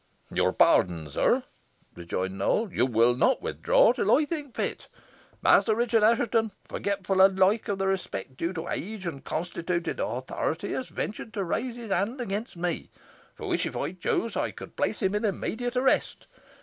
"Your pardon, sir," rejoined Nowell; "you will not withdraw till I think fit. Master Richard Assheton, forgetful alike of the respect due to age and constituted authority, has ventured to raise his hand against me, for which, if I chose, I could place him in immediate arrest.